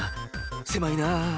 狭いなあ。